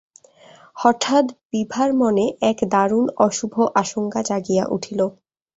হঠাৎ বিভার মনে একটা দারুণ অশুভ আশঙ্কা জাগিয়া উঠিল।